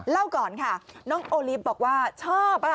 เล่าก่อนค่ะน้องโอลิฟต์บอกว่าชอบ